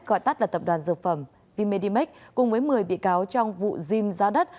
gọi tắt là tập đoàn dược phẩm v medimax cùng với một mươi bị cáo trong vụ zim giá đất